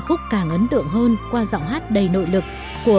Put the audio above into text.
ca khúc càng ấn tượng hơn qua giọng hát đầy nội lực của nghệ sĩ ưu tú blanc thuyết